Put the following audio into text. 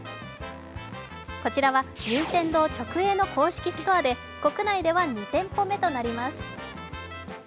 こちらは、任天堂直営の公式ストアで国内では２店舗目となります。